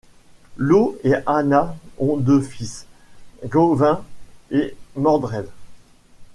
Lot et Anna ont deux fils, Gauvain et Mordred.